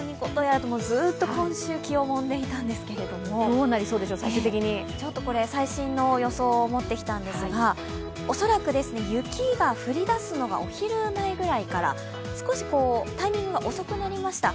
ずっと今週、気をもんでいたんですけれども、ちょっとこれ、最新の予想を持ってきたんですが恐らく雪が降りだすのがお昼前ぐらいから少しタイミングが遅くなりました。